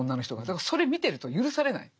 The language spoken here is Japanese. だからそれ見てると許されない。